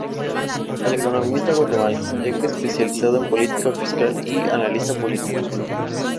Es economista guatemalteco especializado en política fiscal y analista político.